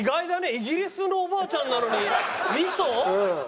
イギリスのお婆ちゃんなのに味噌？